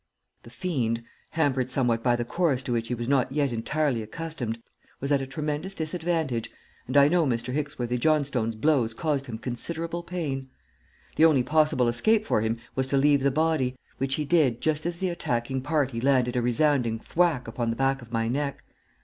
The fiend, hampered somewhat by the corse to which he was not yet entirely accustomed was at a tremendous disadvantage, and I know Mr. Hicksworthy Johnstone's blows caused him considerable pain. The only possible escape for him was to leave the body, which he did just as the attacking party landed a resounding thwack upon the back of my neck.